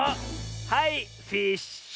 はいフィッシュ！